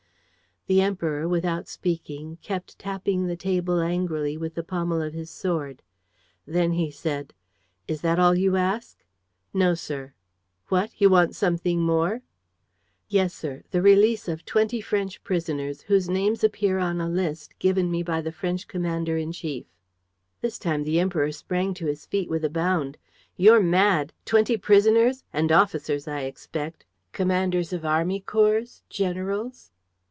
The Emperor, without speaking, kept tapping the table angrily with the pommel of his sword. Then he said: "Is that all you ask?" "No, sir." "What? You want something more?" "Yes, sir, the release of twenty French prisoners whose names appear on a list given me by the French commander in chief." This time the Emperor sprang to his feet with a bound: "You're mad! Twenty prisoners! And officers, I expect? Commanders of army corps? Generals?"